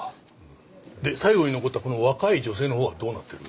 で最後に残ったこの若い女性のほうはどうなってる？